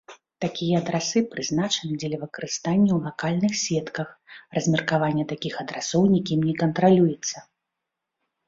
Такія адрасы прызначаны дзеля выкарыстання ў лакальных сетках, размеркаванне такіх адрасоў нікім не кантралюецца.